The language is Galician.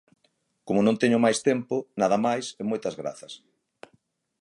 Como non teño máis tempo, nada máis e moitas grazas.